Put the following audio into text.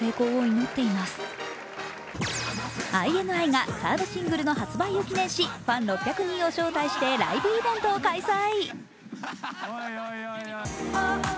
ＩＮＩがサードシングルの発売を記念しファン６００人を招待してライブイベントを開催。